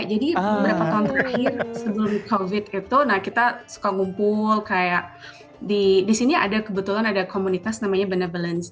jadi beberapa tahun terakhir sebelum covid itu nah kita suka ngumpul kayak di sini ada kebetulan ada komunitas namanya benevolence